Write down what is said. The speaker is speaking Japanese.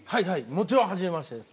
もちろんはじめましてです